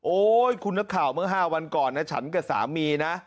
คุณนักข่าวเมื่อ๕วันก่อนนะฉันกับสามีนะ